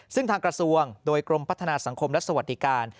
ซึ่งทางกระทรวงโดยกรมพัฒนาสังคมและสวัสดิการ